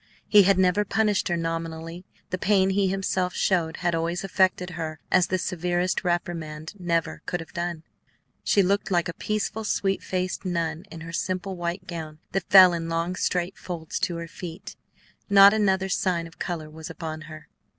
He had never punished her nominally; the pain he himself showed had always affected her as the severest reprimand never could have done. She looked like a peaceful, sweet faced nun in her simple white gown, that fell in long straight folds to her feet; not another sign of color was upon her.